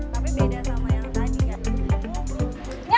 tapi beda sama yang tadi kan